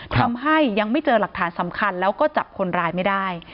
ทำให้ยังไม่เจอหลักฐานสำคัญแล้วก็จับคนร้ายไม่ได้